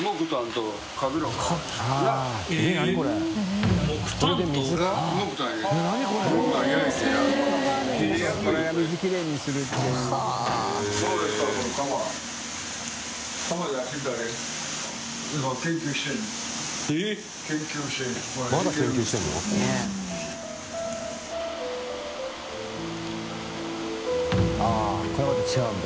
あっこれまた違うんだ。